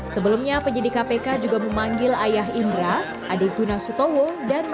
sebelumnya penyidik kpk juga memanggil ayah indra adik gunasutowo dan mantan istri sutikno sudaryo